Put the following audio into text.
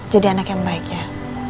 jadi anak yang baik ya